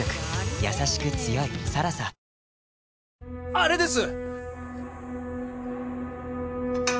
あれです。